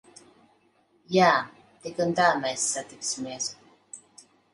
Jā. Tik un tā mēs satiksimies.